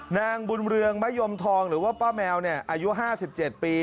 นางบุญเรืองมะยมทองหรือว่าป้าแมวอายุ๕๗ปี